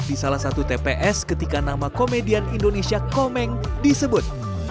di salah satu tps ketika nama komedian indonesia komeng disebut